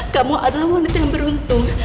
kamu adalah wanita yang beruntung